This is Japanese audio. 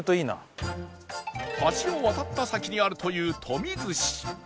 橋を渡った先にあるというトミズシ